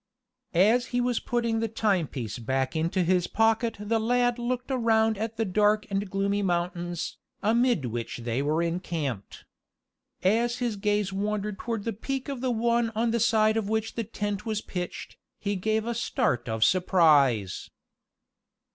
As he was putting the timepiece back into his pocket the lad looked around at the dark and gloomy mountains, amid which they were encamped. As his gaze wandered toward the peak of the one on the side of which the tent was pitched, he gave a start of surprise.